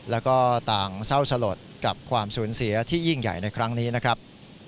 แล้วก็ต่างเศร้าสลดกับความสูญเสียที่ยิ่งใหญ่ในครั้งนี้นะครับ